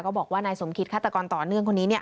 ก็บอกว่านายสมคิดฆาตกรต่อเนื่องคนนี้